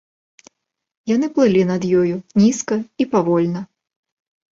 Яны плылі над ёю, нізка і павольна.